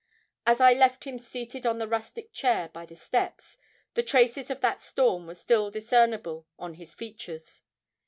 As I left him seated on the rustic chair, by the steps, the traces of that storm were still discernible on his features.